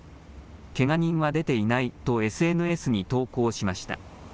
けが人は出ていないとＳＮＳに投稿しました。